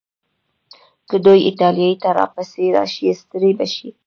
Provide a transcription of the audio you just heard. که دوی ایټالیې ته راپسې راشي، ستړي به شي.